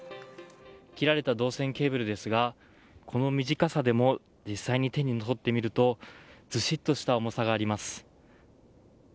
切られた銅線ケーブルですがこの短さでも実際に手に取ってみるとずしっとした重さがあります。